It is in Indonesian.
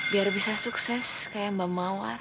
biar bisa sukses kayak mbak mawar